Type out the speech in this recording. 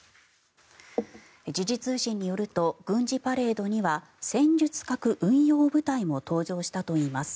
時事通信によると軍事パレードには戦術核運用部隊も登場したといいます。